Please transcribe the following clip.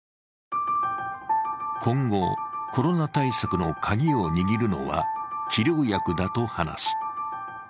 今後、コロナ対策の鍵を握るのは治療薬だと話す。